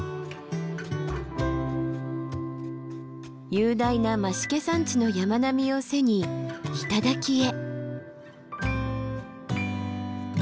雄大な増毛山地の山並みを背に頂へ。